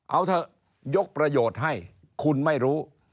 เอาเถอะยกประโยชน์ให้คุณไม่รู้